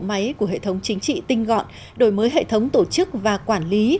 máy của hệ thống chính trị tinh gọn đổi mới hệ thống tổ chức và quản lý